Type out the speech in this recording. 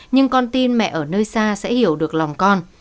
nhưng con tin mẹ ở nơi xa sẽ hiểu được lòng con